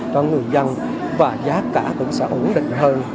cho người dân và giá cả cũng sẽ ổn định hơn